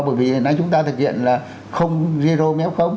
bởi vì hồi nãy chúng ta thực hiện là không zero mép không